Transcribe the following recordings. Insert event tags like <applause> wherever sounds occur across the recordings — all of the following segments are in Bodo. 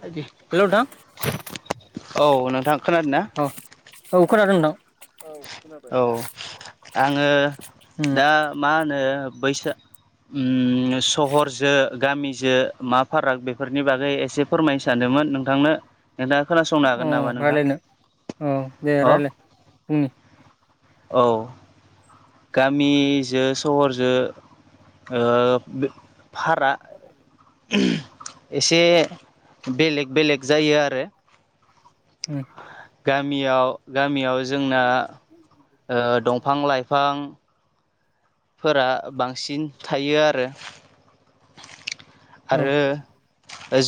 बायदि हेल' ओन्थां औ नोंथां खोनादों ना औ खोनादो नोंथां औ आङो उम दा मा होनो बैसो उम सहरजो गामिजो मा फाराग बेफोरनि बागै एसे फोरमायनो सानदोमोन नोंथांनो। नोंथाङा खोनासंनो औ हागोन नामा नोंथां? रायज्लायनो औ दे अ रायज्लाय बुंनि औ गामिजो सहरजो ओ फारा एसे बेलेग-बेलेग जायो आरो उम गामियाव गामियाव जोंना ओ दंफां-लाइफां फोरा बांसिन थायो आरो। औ आरो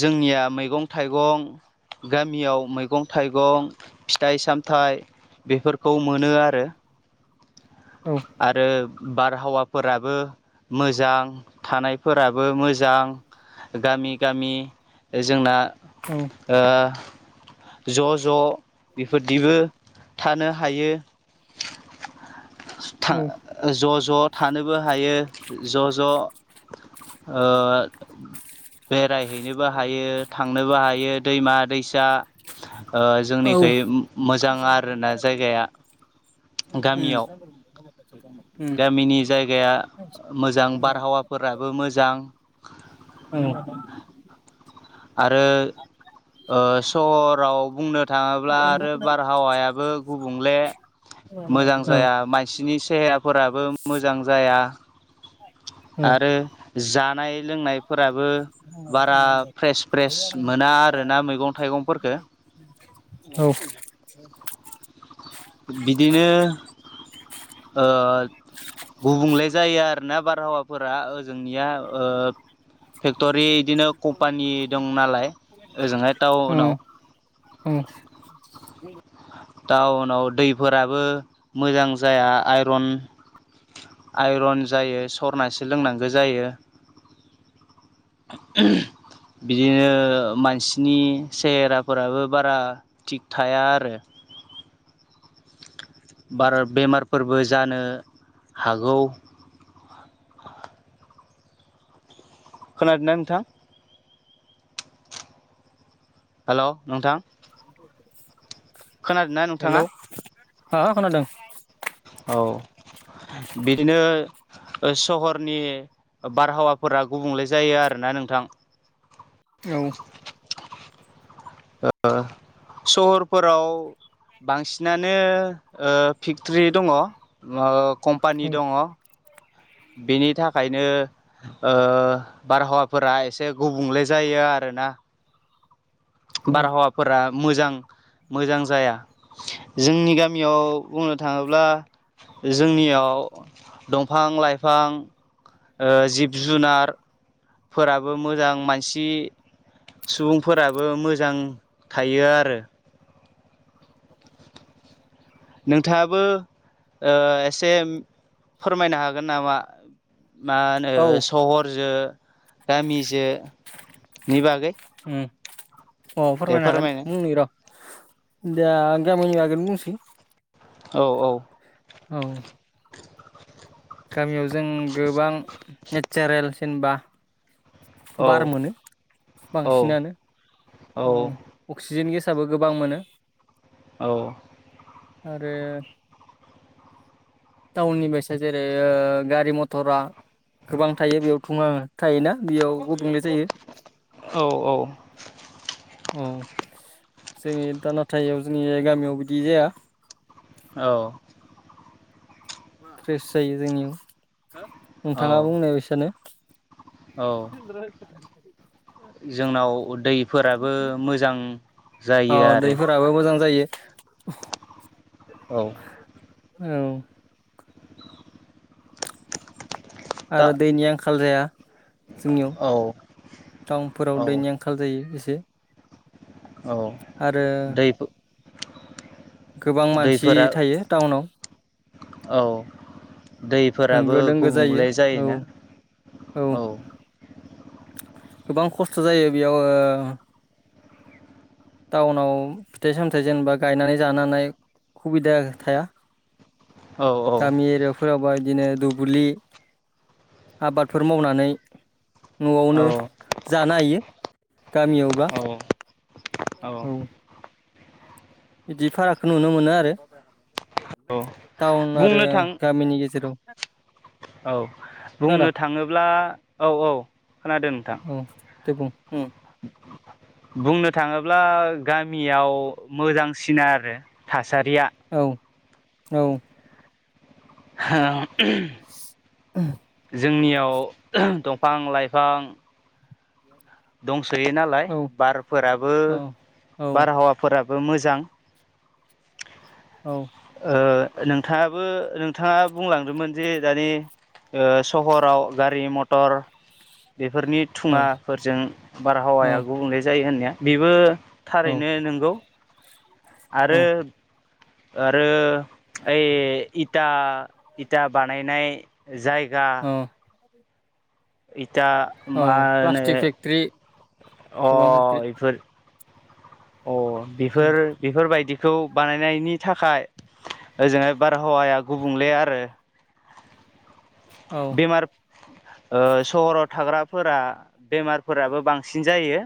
जोंनिया मैगं-थाइगं गामियाव मैगं-थाइगं, फिथाइ-साम थाय बेफोरखौ मोनो आरो। औ आरो बारहावाफोराबो मोजां थानायफोराबो मोजां गामि-गामि जोंना औ ओ ज' ज' बेफोरदिबो थानो हायो। था औ उम ज' ज' थानोबो हायो ज' ज' ओ बेरायहैनोबो हायो थांनोबो हायो दैमा-दैसा ओ औ जोंनिखै मो-मोजां आरोना जायगाया। गामियाव उम गामिनि जायगाया मोजां बारहावाफोराबो मोजां औ आरो ओ सहराव बुंनो थाङोब्ला आरो बारहावायाबो गुबुंले मोजां जाया मानसिनि सेहेराफोराबो मोजां जाया आरो जानाय-लोंनायफोराबो बारा फ्रेस-फ्रेस मोना आरो ना मैगं-थाइगंफोरफोरखो। औ बिदिनो ओ गुबुंले जायो आरोना बारहावाफोरा ओजोंनिया ओ फेक्ट'रि इदिनो कम्पानि दं नालाय ओजोंहाय टाउनाव उम टाउनाव दैफोराबो मोजां जाया आइरन आइरन जायो सरनासो लोंनांगो जायो। <inaudible> बिदिनो मानसिनि सेहेराफोराबो बारा थिग थाया आरो बारा बेमारफोरबो जानो हागौ। <inaudible> खोनादोंना नोंथां? हेलौ नोंथां <inaudible> खोनादों ना नोंथाङा? हो खोनादोंं। औ बिदिनो ओ सहरनि ओ बारहावाफोरा गुबुंले जायो आरो ना नोंथां। औ, ओ सहरफोराव बांसिनानो ओ फिक्टरि दङ'। ओ कम्पानि औ दङ' बेनि थाखायनो ओ बारहावाफोरा एसे गुबुंले जायो आरो ना। औ बार'हावा फोरा मोजां मोजां जाया जोंनि गामियाव बुंनो थाङोब्ला जोंनियाव दं फां लाइफां ओ जिब जुनार फोराबो मोजां मानसि सुबुंफोराबो मोजां थायो आरो। <unintelligible> नोंथाङाबो ओ एसे फोरमायनो हागोन नामा? मा होनो औ सहरजो गामिजो नि बागै? उम, अ फोरमायनो हागोन बुंनि र' दा गामिनि बागैनो बुंसैै औ औ। औ। गामियाव जों गोबां नेचारेल जेनेबा औ बार मोनो औ बांसिनानो औ ओ अक्सिजेन गेस साबो गोबां मोनो। औ। आरो टाउननि बायसा जेरै गारि मथरा गोबां थायो बेयाव थुङा थायोना बेयाव गुबुंले जायो। औ औ। अ, जोंनि दा नाथाय जोंनि गामियाव बिदि जाया। औ। फ्रेस जायो जोंनियाव औ नोंथाङा बुंनाय बायसानो औ <unintelligible> जोंनाव दैफोराबो मोजां जायो अ आरो। दैफोराबो मोजां जायो औ। औ। दा आरो दैनि आंखाल जाया जोंनियाव। औ औ टाउनफोराव दैनि आंखाल जायो एसे। औ आरो दैफो गोबां मानसि थायो टाउनाव। औ। दैफोराबो होंगो दोंगो जायो गुबुंले औ जायोना? औ। <inaudible> गोबां खस्थ' जायो बेयाव ओ टाउनाव फिथाइ सामथाइ जेनेबा गायनानै जानानै हुबिदा थाया। औ गामि एरियाफोराबाय इदिनो दुबुलि आबादफोर मावनानै औ न'आवनो जानो हायो गामियावबा औ औ। बिदि पाराकखौ नुनो मोनो आरो। टाउन आरो बुंनो थां गामिनि गेजेराव। औ बुंनो र' थांङोब्ला औ औ खोनादों नोंथां। औ दे बुं बुंनो थांङोब्ला गामियाव मोजांसिन आरो थास सारिया। औ औ होम <unintelligible> जोंनियाव दंफां लाइफां दंसोयो नालाय औ बारफोराबो औ औ बारहावाफोराबो। बो मोजां औ नोंथांङाबो नोंथांङा बुंलांदोंमोन। जे दानि सहराव गारि मथर। मटर बेफोरनि थुङाफोरजों बारहावाया गुबुंले जायो होननाया। बेबो औ थारैनो नंगौ आरो। औ आरो ओइ इथा इथा बानायनाय। जायगा दा औ मा होनो? प्लास्टिक फेक्ट्रि अ गोबां फेक्ट्रि इफोर अ बेफोर बेफोरबायदि खौ बानायनायनि थाखाय ओजोंहाय बारहावाया गुबुंले आरो। आरो औ सहराव थाग्राफोरा बेमारफोराबो बांसिन जायो।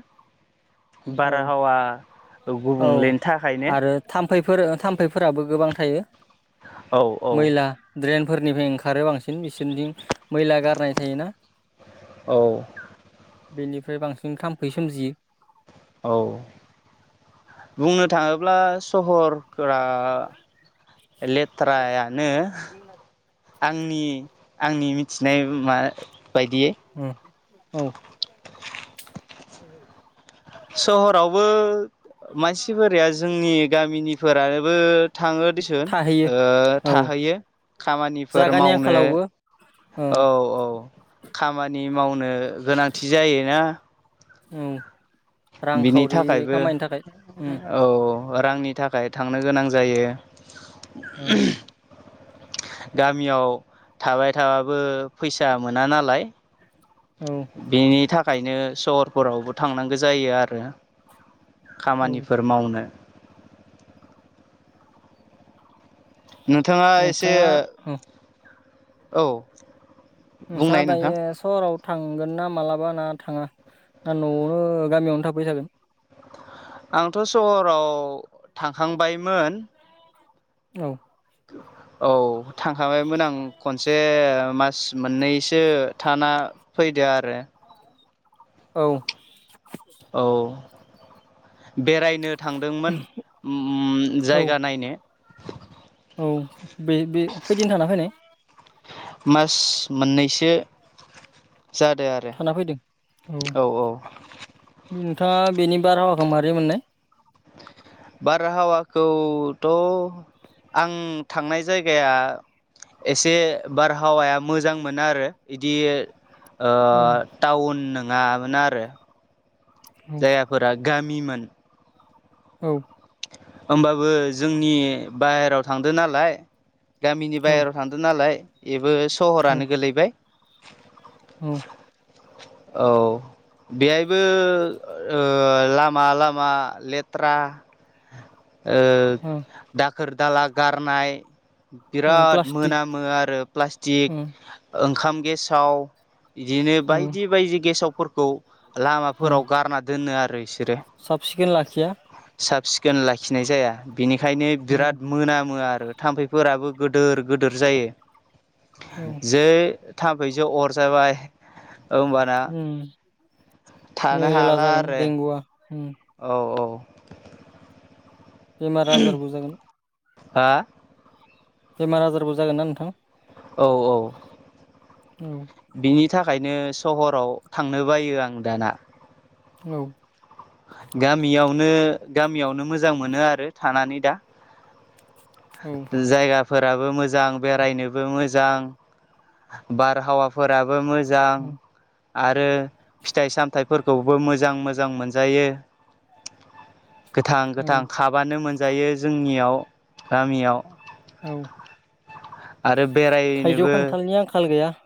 औ बारहावा गुबुंलेनि थाखायनो थामफैफोरा थामफैफोराबो गोबां थायो औ औ मैला देन फोरनिफ्राय ओंखारो बांसिन बिसोरनिथि मैला गारनाय थायोना। औ बेनिफ्राय बांसिन थाम्फै सोमजियो। औ बुंनो थांङोब्ला सहरफोरा लेथ्रायानो आंनि आंनि मिथानाय मा बायदियै औ औ उम सहरावबो मानसिफोराया जोंनि गामिनिफोरानोबो थांङो दिसुन थाहैयो औ थाहैयो खामानिफोर जागानि मावनो। आंखालावबो औ औ खामानि मावनो गोनांथि जायोना। औ बिनि रांखावरि थाखायबो खामायनो थाखाय उम औ रांनि थाखाय थांनो गोनां जायो। औ गामियाव थाबाय थाबाबो फैसा मोना नालाय। औ बेनि थाखायनो सहरफोरावबो थांनांगौ जायो आरो। औ खामानिफोर मावनो। नोंथांङा एसे नोंथाङा औ औ नोंथाङा बुंनाय नोंथां दायो सहराव थांगोन ना मालाबा ना थांङा ना नआवनो गामियावनो थाबायथागोन। आंथ सहराव थांखांबायमोन। औ <unintelligible> औ थांखाबायमोन आं खनसे मास मोननैसो थाना फै दि आरो। औ। औ बेरायनो थांदोंमोन उम औ जायगा नायनो औ बे बे खैदिन थाना फायनाय? मास मोननैसो जादो आरो थाना फैदों औ औ। थाङा बेनि बारहावाखो मारै मोननाय? बारहावाखौथ' आं थांनाय जायगाया एसे बारहावाया मोजांमोन आरो इदि ओ औ टाउन नोङामोन आरो औ जायगाफोरा गामिमोन। औ। होमबाबो जोंनि बाहेराव थांदो नालाय। गामिनि औ बायहेरायाव थांदों नालाय एबो औ सहरानो गोलैबाय। औ। बेहायबो ओ लामा लामा लेथ्रा ओ औ दाखोर दाला गारनाय। औ बिराद प्लास्टिक मोनामो आरो प्लास्टिक, ओंखाम गेसाव, इदिनो बायदि बायदि गेसावफोरखौ लामाफोराव गारना दोनो आरो इसो सफ सिखोन लाखिया। खोन लाखिनाय जाया। बेनिखायनो औ बिराद मोनामो आ आरो थाम्फैफोराबो गोदोर गोदोर जायो। जै थाम्फैजों अरजाबाय ओमबाना मेरेला जागोन देंगुआ। औ औ। बेमार आजारबो जागोन। हा? बेमार आजारबो जागोन ना नोंथां? औ औ। औ। बिनि थाखायनो सहराव थांनो बायो आं दाना। औ। गामियावनो गामियावनो मोजां मोनो आरो थानानै दा। औ जायगा फोराबो मोजां, बेरायनोबो मोजां, बारहावाफोराबो मो जां। आरो फिथाइ सामथाइफोरखौबो मोजां मोजां मोनजायो। गोथां औ गोथां खाबानो मोनजायो जोंनियाव गामियाव। औ आरो थाइजौ बेरायनोबो खान्थालनि आंखाल गैया।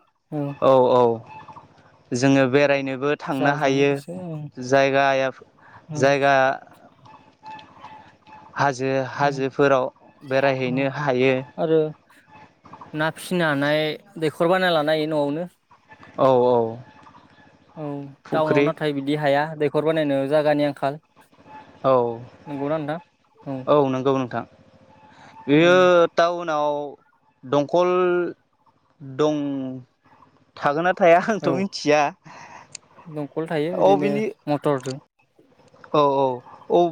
औ औ जोङो बेरायनो बो थांनो जाजानो हायो गोसो औ जागाया औ जायगा हाजो औ हाजोफोराव बेरायहैनो हायो। आरो ना फिसिनो हानाय दैखर बानायना लानो हायो न'आवनो। औ औ। औ टाउनाव फुख्रि नाथाय बिदि हाया, दैखर बानायनो जागानि आंखाल। औ नंगौना नोंथा? औ नंगौ नोंथां। औ बेयो टाउनाव दंखल दं थागोनना थाया आंथ' औ मिथिया, दंखल थायो अ बिदिनो बिनि मटरजों औ औ औ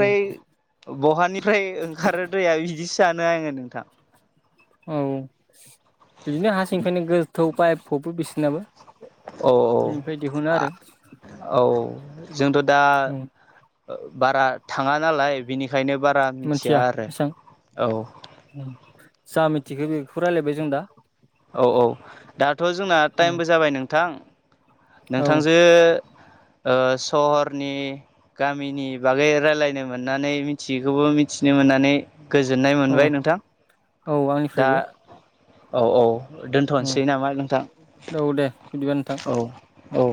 उम बहानिफ्राय ओंखारो दैाया बिदिस सानो आङो नोंथां। औ बिदिनो हारसिंफ्रायनो गोथौ बायफबबो बिसनाबो औ बेनिफ्राय दिहुनो आरो। औ जोंथ' दा औ बारा थाङा नालाय बिनिख ओंखायनो बारा मिथिया आरो औ। थख बेखौ रायजलायबाय जों दा। औ औ दाथ' जोंना उम टाइमबो जाबाय नोंथां औ नोंथांजो। <inaudible> सहरनि गामिनि बागै रायलायनो मोननानै मिथियैखौबो मिथिनो मोनो होननानै गोजोननाय औ मोनबाय नोंथां औ दा आंनिफ्रायबो औ औ। उम दोन्थ'नोसै नामा नोंथां औ दे बिदिबा नोंथां औ। औ।